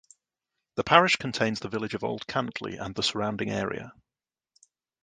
The parish contains the village of Old Cantley and the surrounding area.